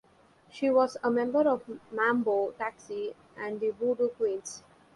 She was a member of Mambo Taxi and the Voodoo Queens.